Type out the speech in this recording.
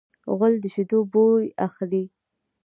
غول د شیدو بوی اخلي.